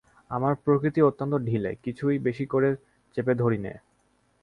আমার প্রকৃতি অত্যন্ত ঢিলে, কিছুই বেশি করে চেপে ধরি নে।